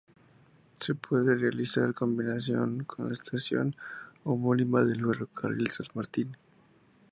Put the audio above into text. Se puede realizar combinación con la estación homónima del Ferrocarril San Martín.